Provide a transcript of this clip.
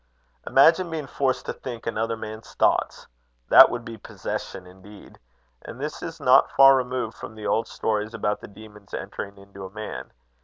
Imagine being forced to think another man's thoughts! That would be possession indeed! And this is not far removed from the old stories about the demons entering into a man.